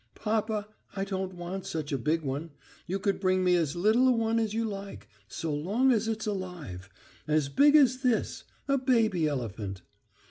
"Papa, I don't want such a big one.... You could bring me as little a one as you like, so long as it's alive. As big as this ... a baby elephant."